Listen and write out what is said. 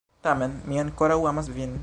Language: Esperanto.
Tamen, mi ankoraŭ amas vin.